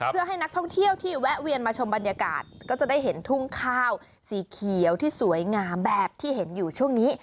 เพื่อให้นักท่องเที่ยวที่แวะเวียนมาชมบรรยากาศก็จะได้เห็นทุ่งข้าวสีเขียวที่สวยงามแบบที่เห็นอยู่ช่วงนี้